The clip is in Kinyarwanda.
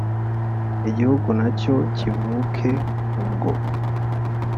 igihugu nacyo kivuke ubwo